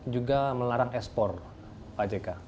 juga melarang ekspor pak jk